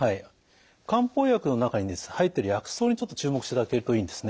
漢方薬の中に入っている薬草にちょっと注目していただけるといいんですね。